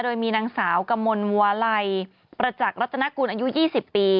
โดยมีนางสาวกมลวาลัยประจักษ์รัตนกุลอายุ๒๐ปี